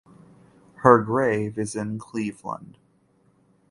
Her grave is in Cleveland.